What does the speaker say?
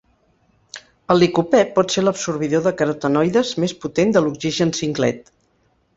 El licopè pot ser l'absorbidor de carotenoides més potent de l'oxigen singlet.